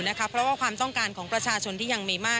เพราะว่าความต้องการของประชาชนที่ยังมีมาก